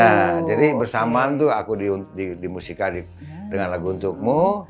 nah jadi bersamaan tuh aku di musika dengan lagu untukmu